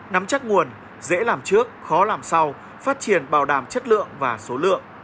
nắm chắc nguồn dễ làm trước khó làm sau phát triển bảo đảm chất lượng và số lượng